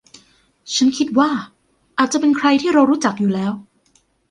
ฉันคิดว่าอาจจะเป็นใครที่เรารู้จักอยู่แล้ว